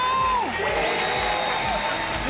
え